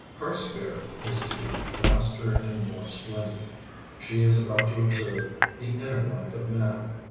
Her sphere is to be vaster and more splendid; she is about to observe "the inner life of man."